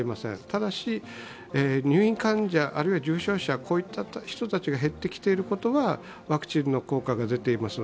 ただし、入院患者、あるいは重症者といった人たちが減っているのはワクチンの効果が出ています。